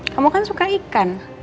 kamu kan suka ikan